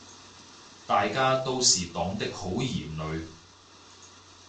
大家都是黨的好兒女